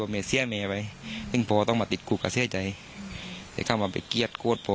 เดี๋ยวเข้ามาไปเกียรติโกรธพ่อ